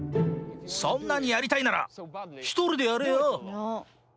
そんなにやりたいなら１人でやれよ。